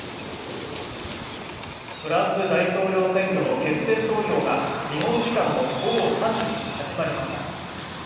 フランス大統領選挙の決選投票が日本時間の午後３時に始まりました。